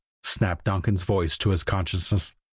_" snapped Donkin's voice to his consciousness.